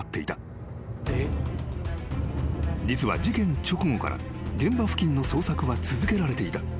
［実は事件直後から現場付近の捜索は続けられていた。